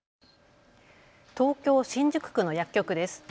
東京新宿区の薬局です。